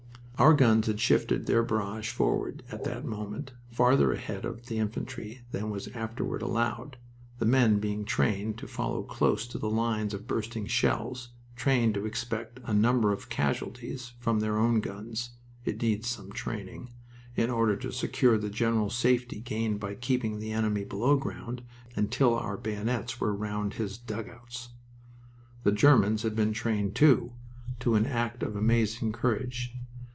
Our guns had shifted their barrage forward at that moment, farther ahead of the infantry than was afterward allowed, the men being trained to follow close to the lines of bursting shells, trained to expect a number of casualties from their own guns it needs some training in order to secure the general safety gained by keeping the enemy below ground until our bayonets were round his dugouts. The Germans had been trained, too, to an act of amazing courage.